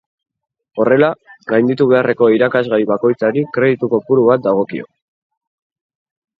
Horrela, gainditu beharreko irakasgai bakoitzari kreditu-kopuru bat dagokio.